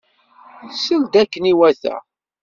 Sel-d akken iwata.